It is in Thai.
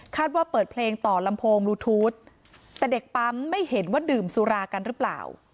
ว่าเปิดเพลงต่อลำโพงลูทูธแต่เด็กปั๊มไม่เห็นว่าดื่มสุรากันหรือเปล่า